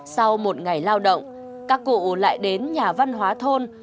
sau một ngày lao động các cụ lại đến nhà văn hóa thôn